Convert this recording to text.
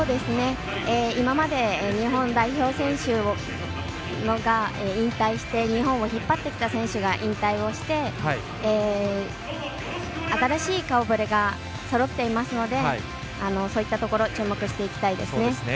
今までの日本代表選手が引退して日本を引っ張ってきた選手が引退をして新しい顔ぶれがそろっていますのでそういったところ注目していきたいですね。